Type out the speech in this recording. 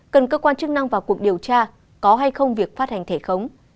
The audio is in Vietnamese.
cần cơ quan chức năng vào cuộc điều tra có hay không việc phát hành thẻ khống